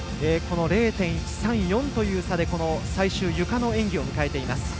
０．１３４という差で最終、ゆかの演技を迎えています。